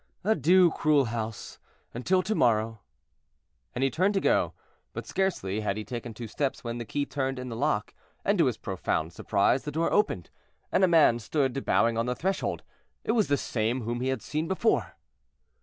Adieu, cruel house, until to morrow." And he turned to go; but scarcely had he taken two steps, when the key turned in the lock, and, to his profound surprise, the door opened, and a man stood bowing on the threshold. It was the same whom he had seen before.